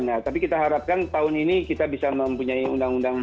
nah tapi kita harapkan tahun ini kita bisa mempunyai undang undang